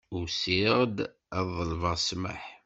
Usiɣ-d ad ḍelbeɣ ssmaḥ.